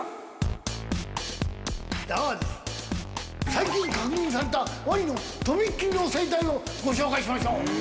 最近確認されたワニの飛びっ切りの生態をご紹介しましょう。